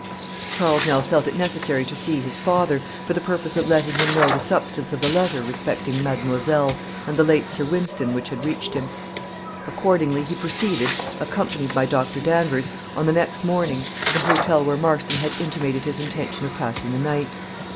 Charles now felt it necessary to see his father, for the purpose of letting him know the substance of the letter respecting "mademoiselle" and the late Sir Wynston which had reached him. Accordingly, he proceeded, accompanied by Doctor Danvers, on the next morning, to the hotel where Marston had intimated his intention of passing the night.